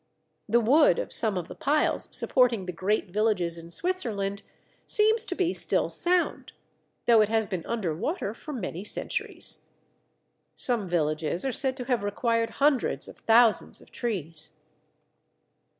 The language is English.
The wood of some of the piles supporting the great villages in Switzerland seems to be still sound, though it has been under water for many centuries. Some villages are said to have required hundreds of thousands of trees.